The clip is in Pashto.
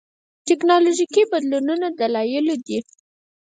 ټېکنالوژيکي بدلون دلایلو دي.